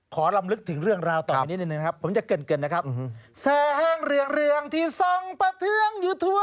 ขอลำลึกถึงเรื่องราวต่อไปนี้นิดหนึ่ง